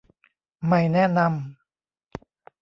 ไม่แนะนำ